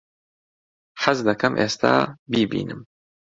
حەز دەکەم ئێستا بیبینم.